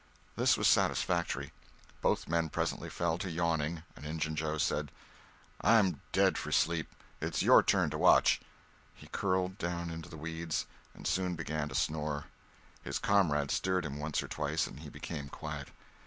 This was satisfactory. Both men presently fell to yawning, and Injun Joe said: "I'm dead for sleep! It's your turn to watch." He curled down in the weeds and soon began to snore. His comrade stirred him once or twice and he became quiet.